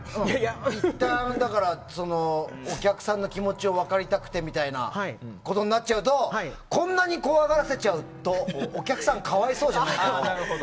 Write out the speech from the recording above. いったん、お客さんの気持ちを分かりたくてみたいなことになるとこんなに怖がらせちゃうとお客さん、可哀想じゃないと。